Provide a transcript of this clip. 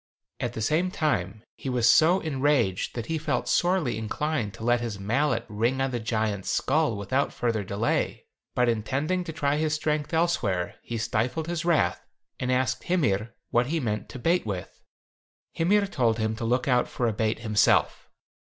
At the same time he was so enraged that he felt sorely inclined to let his mallet ring on the giant's skull without further delay, but intending to try his strength elsewhere, he stifled his wrath, and asked Hymir what he meant to bait with. Hymir told him to look out for a bait himself.